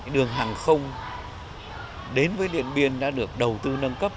đường hàng không đến với điện biên đã được đầu tư nâng cấp